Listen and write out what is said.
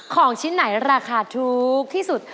ของชิ้นไหนราคาถูกที่สุด